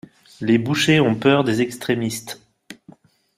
Les bouchers ont peur des extremistes.